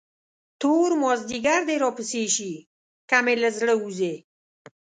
تور مازدیګر دې راپسې شي، که مې له زړه وځې.